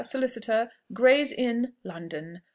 SOLICITOR, GRAY'S INN, LONDON.